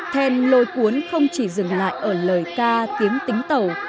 then lôi cuốn không chỉ dừng lại ở lời ca tiếng tính tẩu